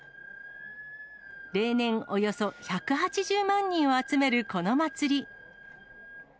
例年、およそ１８０万人を集めるこの祭り。